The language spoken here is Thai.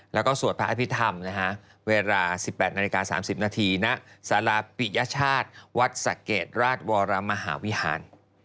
แล้วก็สวดพระอภิษฐรรมเวลา๑๘นาฬิกา๓๐นาทีณสาราปิยชาติวัดสะเกดราชวรมหาวิหาร